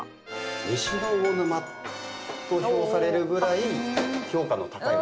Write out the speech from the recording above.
西の魚沼と評されるぐらい評価の高いお米ですね。